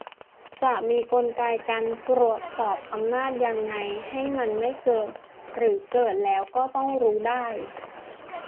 จะมีกลไกการตรวจสอบอำนาจยังไงให้มันไม่เกิด-หรือเกิดแล้วก็ต้องรู้ได้ ?